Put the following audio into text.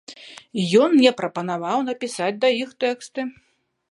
Ён мне прапанаваў напісаць да іх тэксты.